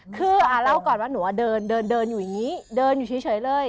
คือเล่าก่อนว่าหนูเดินเดินอยู่อย่างนี้เดินอยู่เฉยเลย